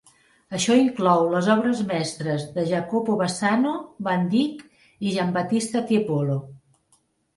Això inclou les obres mestres de Jacopo Bassano, Van Dyck i Giambattista Tiepolo.